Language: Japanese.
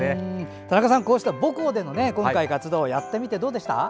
田中さん、こうした母校での、今回の活動をやってみてどうでした？